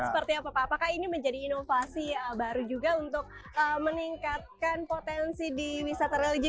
seperti apa pak apakah ini menjadi inovasi baru juga untuk meningkatkan potensi di wisata religi